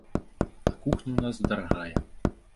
А кухня ў нас дарагая.